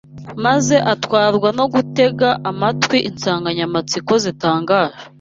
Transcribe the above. maze atwarwa no gutega amatwi insanganyamatsiko zitangaje